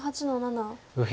右辺